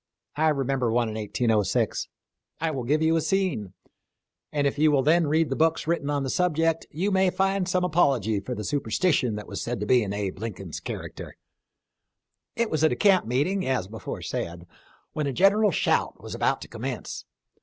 I remember one in 1806. I will give you a scene, and if you will then read the books written on the subject you may find some apology for the superstition that was said to be in Abe Lincoln's character. It was at a camp meeting, as before said, when a general shout was about to commence.